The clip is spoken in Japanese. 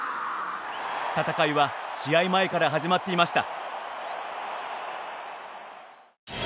戦いは試合前から始まっていました。